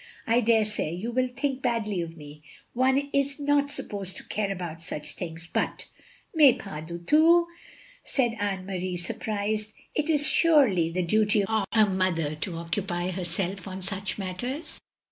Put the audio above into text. "I daresay you will think badly of me; one is not supposed to care about such things, but "" Mais pas du tout !" said Anne Marie, surprised. "It is surely the duty of a mother to occupy herself of such matters!